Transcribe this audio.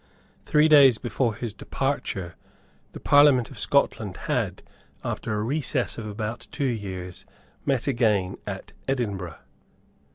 Three days before his departure the Parliament of Scotland had, after a recess of about two years, met again at Edinburgh.